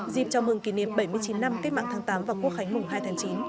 dịp chào mừng kỷ niệm bảy mươi chín năm kết mạng tháng tám và quốc khánh mùng hai tháng chín